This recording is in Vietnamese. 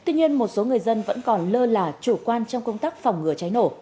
nhưng một số người dân vẫn còn lơ là chủ quan trong công tác phòng ngừa cháy nổ